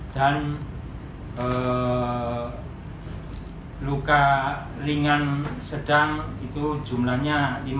dan luka ringan sedang jumlahnya lima ratus sembilan puluh enam